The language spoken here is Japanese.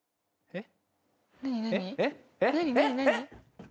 えっ！？